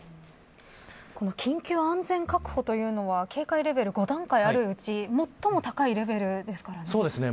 緊急安全確保というのは警戒レベル５段階あるうち最も高いレベルですからね。